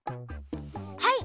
はい！